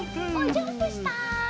ジャンプした！